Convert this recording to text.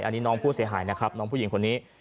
อันนี้น้องผู้เสียหายนะครับน้องผู้หญิงคนนี้